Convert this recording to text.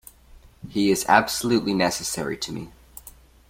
He is absolutely necessary to me.